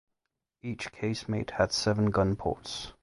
Each casemate had seven gun ports.